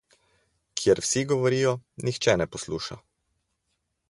Kjer vsi govorijo, nihče ne posluša.